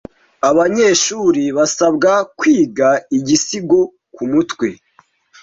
Abanyeshuri basabwe kwiga igisigo kumutwe.